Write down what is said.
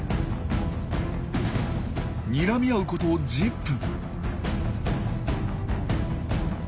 にらみ合うこと１０分。